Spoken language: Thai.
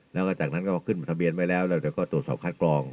แล้วก็จากนั้นก็ขึ้นทะเบียนไว้แล้วแล้วเดี๋ยวก็ตรวจสอบคัดกรอง